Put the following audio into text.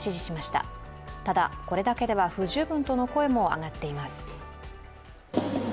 ただ、これだけでは不十分との声も上がっています。